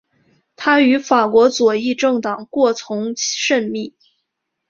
他与法国左翼政党过从甚密。